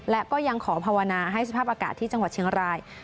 และก็ยังขอภาวนาให้สภาพอากาศที่จังหวัดเชียงราย